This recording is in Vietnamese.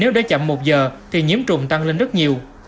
nếu để cho mắt sẽ chạy lại thì nhiễm trùng sẽ tăng lên rất nhiều